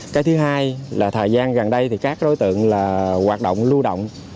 cái thứ hai là thời gian gần đây thì các đối tượng là hoạt động lưu động